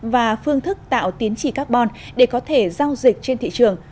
và phương thức tạo tiến trị carbon để có thể giao dịch trên thị trường